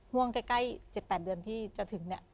ห่วงใกล้๗๘เดือนที่จะถึงเนี่ย